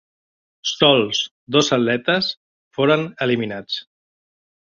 Sols dos atletes foren eliminats.